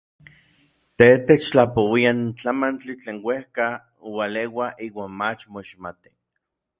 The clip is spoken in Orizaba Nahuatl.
Tej techtlapouia n tlamantli tlen uejka ualeua iuan mach moixmati.